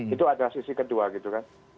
itu ada sisi kedua gitu kan